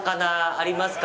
ありますよ。